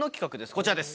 こちらです。